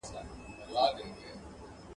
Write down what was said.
وايی په ښار کي محتسب ګرځي ..